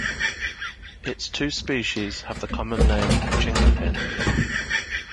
Its two species have the common name chinquapin.